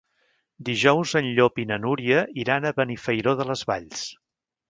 Dijous en Llop i na Núria iran a Benifairó de les Valls.